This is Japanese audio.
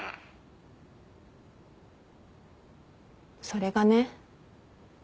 それがね